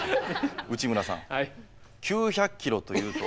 内村さん９００ｋｍというと。